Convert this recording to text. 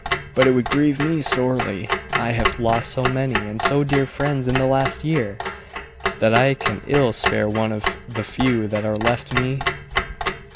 But it would grieve me sorely. I have lost so many and so dear friends in the last year, that I can ill spare one of the few that are left me."